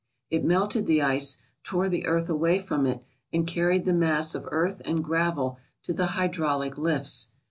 It melted the ice, tore the earth away from it, and carried the mass of earth and gravel to the hydraulic lifts.